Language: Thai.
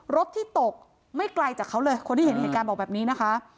รถที่ตกไม่ไกลจากเขาเลยคนที่เห็นเหตุการณ์บอกแบบนี้นะคะ